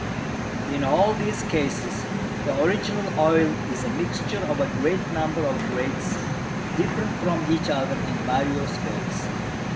In all these cases the original oil is a mixture of a great number of grades differing from each other in various ways.